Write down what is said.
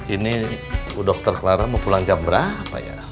ini bu dr clara mau pulang jam berapa ya